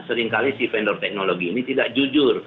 seringkali si vendor teknologi ini tidak jujur